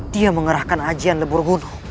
dia mengerahkan ajian lebur wudhu